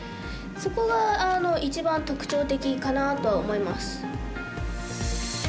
そこが一番特徴的かなと思います。